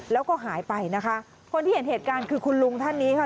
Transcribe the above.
แล้วก็หายไปนะคะคนที่เห็นเหตุการณ์คือคุณลุงท่านนี้ค่ะ